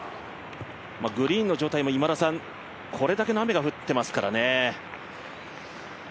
グリーンの状態も、これだけの雨が降っていますからね。